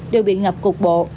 đều bị ngập cục bộ